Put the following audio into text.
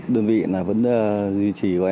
đơn vị vẫn duy trì